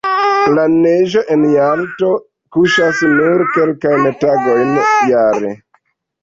La neĝo en Jalto kuŝas nur kelkajn tagojn jare.